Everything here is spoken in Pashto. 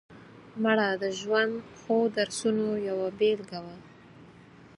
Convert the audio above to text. مړه د ژوند ښو درسونو یوه بېلګه وه